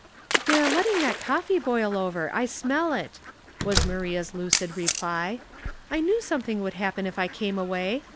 '•• They are letting that coffee boil over. I smell it !" was Maria's lucid reply. " I knew something would happen if I came away.